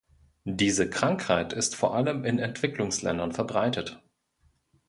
Diese Krankheit ist vor allem in Entwicklungsländern verbreitet.